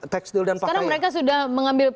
sekarang mereka sudah mengambil